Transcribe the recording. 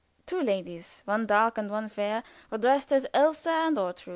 Two ladies, one dark and one fair, were dressed as Elsa and Ortrud.